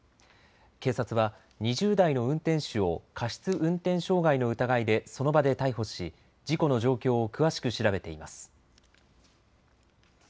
警察は２０代の運転手を過失運転傷害の疑いでその場で逮捕し事故の状況を詳しく調べています。